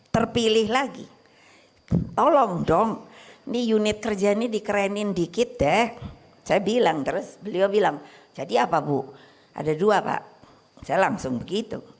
terpilih lagi tolong dong nih unit kerja ini dikerenin dikit deh saya bilang terus beliau bilang